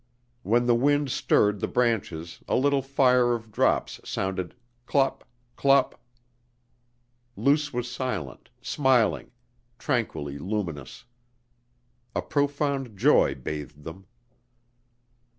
When the wind stirred the branches a little fire of drops sounded "clop, clop!" Luce was silent, smiling, tranquilly luminous. A profound joy bathed them.